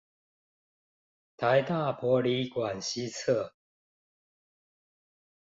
臺大博理館西側